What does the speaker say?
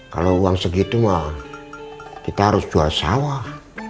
kalau uang segitu mah kita harus jual sawah